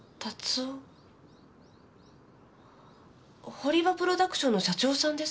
堀場プロダクションの社長さんですか？